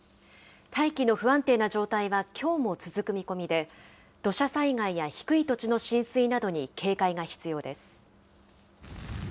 大気の不安定な状態はきょうも続く見込みで、土砂災害や低い土地の浸水などに警戒が必要です。